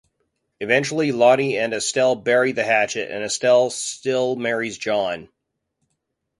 Eventually Lotte and Estelle bury the hatchet and Estelle still marries John.